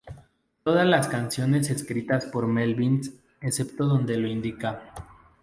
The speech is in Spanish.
Todas las canciones escritas por Melvins excepto donde lo indica.